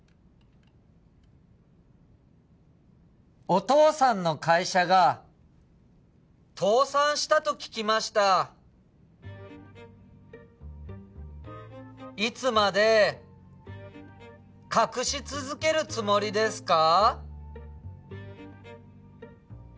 お父さんの会社が倒産したと聞きましたいつまで隠し続けるつもりですか？